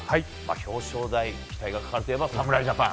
表彰台、期待がかかるといえば侍ジャパン。